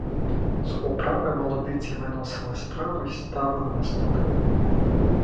З управи молодиці виносили страву й ставили на столи.